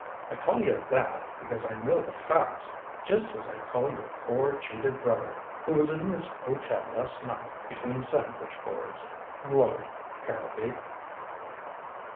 I call you that because I know the facts. Just as I call your poor cheated brother, who was in this hotel last night between sandwich boards, Lord Harrowby."